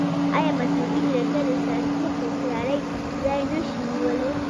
ایا مصنوعي ځیرکتیا د احساساتي هوښیارۍ ځای نه شي نیولی؟